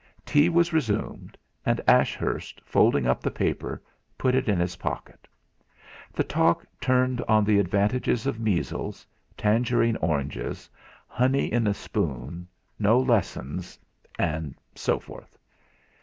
Tea was resumed, and Ashurst, folding up the paper, put it in his pocket. The talk turned on the advantages of measles, tangerine oranges, honey in a spoon, no lessons, and so forth.